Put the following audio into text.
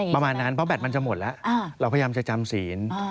ประมาณนั้นเพราะแบตมันจะหมดแล้วเราพยายามจะจำศีล